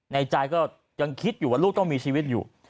ในใจก็ยังคิดอยู่ว่าลูกต้องมีชีวิตอยู่